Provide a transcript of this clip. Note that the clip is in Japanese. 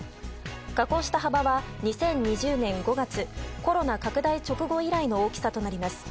下降した幅は２０２０年５月コロナ拡大直後以来の大きさとなります。